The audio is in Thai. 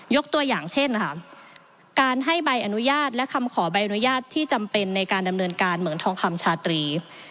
ตัวอย่างเช่นนะคะการให้ใบอนุญาตและคำขอใบอนุญาตที่จำเป็นในการดำเนินการเหมือนทองคำชาตรี